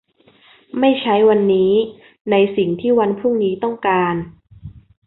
ไม่ใช้วันนี้ในสิ่งที่วันพรุ่งนี้ต้องการ